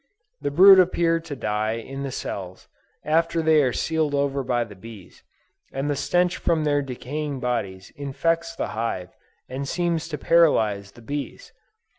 The brood appear to die in the cells, after they are sealed over by the bees, and the stench from their decaying bodies infects the hive, and seems to paralyze the bees.